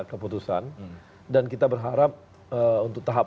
keputusan dan kita berharap untuk tahap